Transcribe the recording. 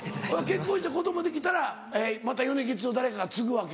結婚して子供できたらまた米吉を誰かが継ぐわけか。